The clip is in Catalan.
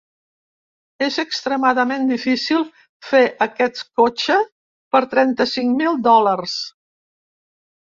És extremadament difícil fer aquest cotxe per trenta-cinc mil dòlars.